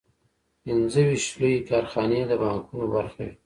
پنځه ویشت لویې کارخانې د بانکونو برخه وې